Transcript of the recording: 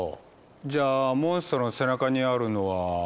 じゃあモンストロの背中にあるのは。